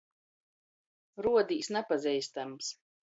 Ruodīs – napazeistams.